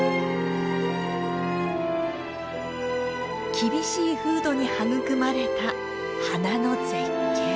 厳しい風土に育まれた花の絶景。